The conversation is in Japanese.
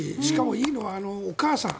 いいのはお母さん。